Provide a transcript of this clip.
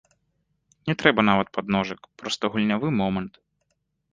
Не трэба нават падножак, проста гульнявы момант.